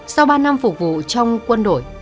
sau ba năm phục vụ trong quân đội